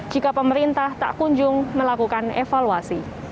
jika pemerintah tak kunjung melakukan evaluasi